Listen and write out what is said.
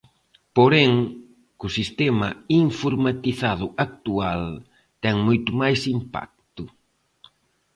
Porén, co sistema informatizado actual, ten moito máis impacto.